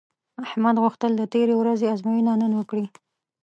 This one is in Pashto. احمد غوښتل د تېرې ورځې ازموینه نن ورکړي